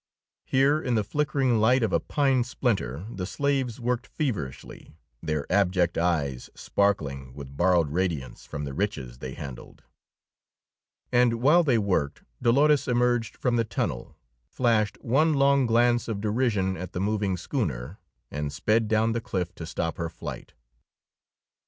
Here in the flickering light of a pine splinter the slaves worked feverishly, their abject eyes sparkling with borrowed radiance from the riches they handled. And while they worked, Dolores emerged from the tunnel, flashed one long glance of derision at the moving schooner, and sped down the cliff to stop her flight.